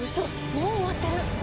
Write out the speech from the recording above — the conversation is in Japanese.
もう終わってる！